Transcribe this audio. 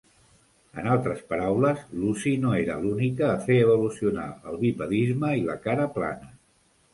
En altres paraules, Lucy no era l'única a fer evolucionar el bipedisme i la cara plana.